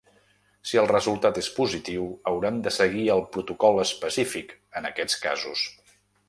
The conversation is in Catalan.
Si el resultat és positiu, hauran de seguir el protocol específic en aquests casos.